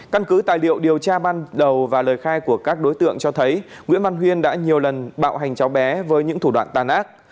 căn cứ tài liệu điều tra ban đầu và lời khai của các đối tượng cho thấy nguyễn văn huyên đã nhiều lần bạo hành cháu bé với những thủ đoạn tàn ác